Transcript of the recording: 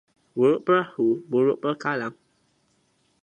Buruk perahu, buruk pangkalan